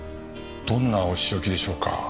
どんなお仕置きでしょうか？